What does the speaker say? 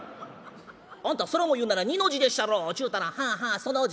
『あんたそれを言うならニの字でっしゃろ』ちゅうたら『はあはあそのジ』。